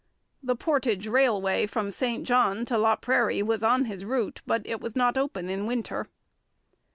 The portage railway from St John to Laprairie was on his route, but it was not open in winter.